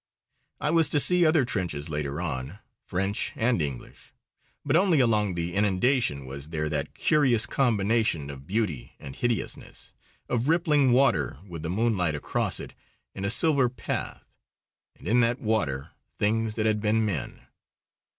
I was to see other trenches later on, French and English. But only along the inundation was there that curious combination of beauty and hideousness, of rippling water with the moonlight across it in a silver path, and in that water things that had been men.